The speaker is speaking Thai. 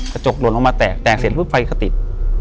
กระจกหล่นออกมาแตกแตกเสร็จปุ๊บไฟก็ติด